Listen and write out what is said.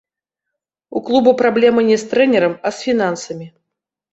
У клуба праблемы не з трэнерам, а з фінансамі.